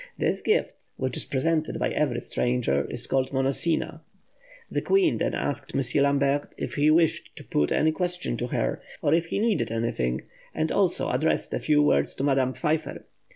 This gift, which is presented by every stranger, is called "Monosina." The Queen then asked M. Lambret if he wished to put any question to her, or if he needed anything, and also addressed a few words to Madame Pfeiffer.